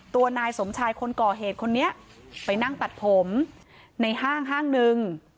ตัวนายสมชายคนก่อเหตุคนนี้ไปนั่งตัดผมในห้างห้างหนึ่ง